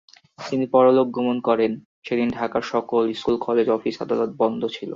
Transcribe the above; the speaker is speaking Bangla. তিনি পরলোকগমন করেন সেদিন ঢাকার সকল স্কুল, কলেজ, অফিস-আদালত বন্ধ ছিল।